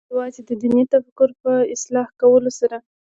یوازې د دیني تفکر په اصلاح کولو سره.